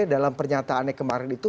dalam pernyataannya kemarin itu